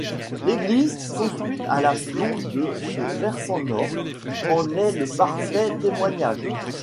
L'église, construite à l’aplomb de ce versant nord, en est le parfait témoignage.